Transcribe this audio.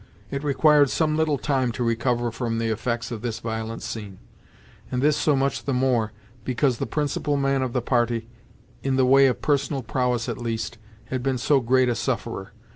It required some little time to recover from the effects of this violent scene, and this so much the more, because the principal man of the party, in the way of personal prowess at least, had been so great a sufferer.